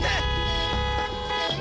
perlahan sampai siap